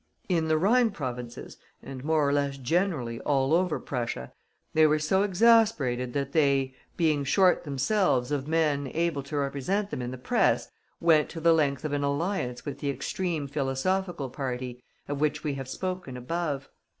In the Rhine Provinces, and more or less generally all over Prussia, they were so exasperated that they, being short themselves of men able to represent them in the Press, went to the length of an alliance with the extreme philosophical party, of which we have spoken above.